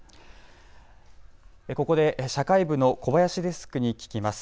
ここで社会部の小林デスクに聞きます。